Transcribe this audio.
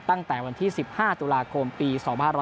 ตั้งแต่วันที่๑๕ตุลาคมปี๒๕๕๙